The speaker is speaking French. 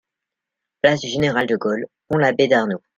Place du général de Gaulle, Pont-l'Abbé-d'Arnoult